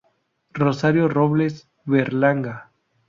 Rosario Robles Berlanga.